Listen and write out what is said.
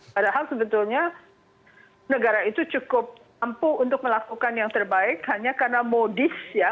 padahal sebetulnya negara itu cukup mampu untuk melakukan yang terbaik hanya karena modis ya